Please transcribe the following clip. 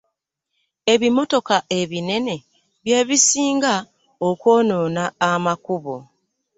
Ebimotoka ebinene bye bisinga okwonoona amakubo.